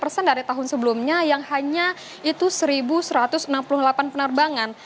lima puluh persen dari tahun sebelumnya yang hanya itu satu satu ratus enam puluh delapan penerbangan